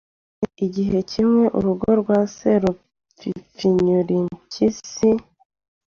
Igihe kimwe urugo rwa Serupfipfinyurimpyisi